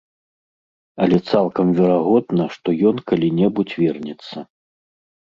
Але цалкам верагодна, што ён калі-небудзь вернецца.